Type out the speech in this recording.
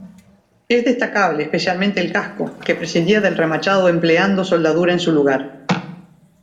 Es destacable especialmente el casco, que prescindía del remachado empleando soldadura en su lugar.